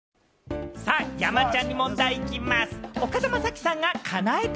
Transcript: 山ちゃんに問題いきます。